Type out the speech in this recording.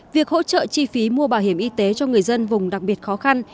việc hỗ trợ chi phí mua bảo hiểm y tế cho người dân vùng đặc biệt khó khăn